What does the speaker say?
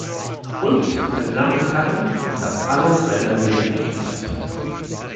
Und, meine Damen und Herren, das alles rendern wir in Echtzeit!